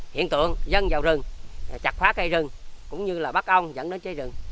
hiện tượng dân vào rừng chặt phá cây rừng cũng như là bắt ông dẫn đến cháy rừng